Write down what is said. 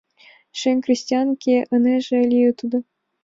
Шем крестьянке ынеже лий тудо